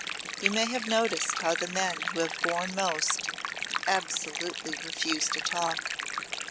You may have noticed how the men who have borne most, absolutely refuse to talk."